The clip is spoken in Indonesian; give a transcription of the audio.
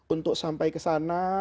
untuk sampai ke sana